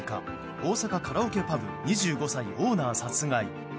大阪カラオケパブ２５歳オーナー殺害。